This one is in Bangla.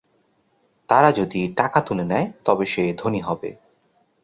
তারা যদি টাকা তুলে নেয় তবে সে ধনী হবে।